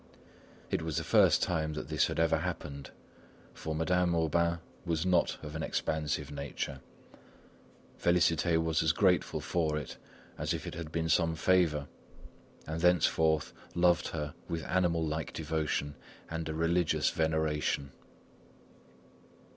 It was the first time that this had ever happened, for Madame Aubain was not of an expansive nature. Félicité was as grateful for it as if it had been some favour, and thenceforth loved her with animal like devotion and a religious veneration.